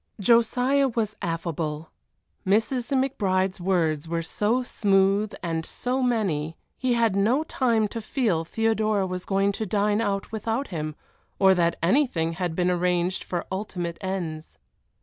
Josiah was affable. Mrs. McBride's words were so smooth and so many, he had no time to feel Theodora was going to dine out without him, or that anything had been arranged for ultimate ends.